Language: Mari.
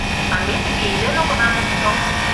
А ме тыге илен огына мошто.